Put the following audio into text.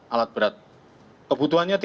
alat berat kebutuhannya